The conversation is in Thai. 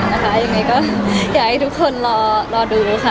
อย่างนี้ก็อยากให้ทุกคนรอดูนะค่ะ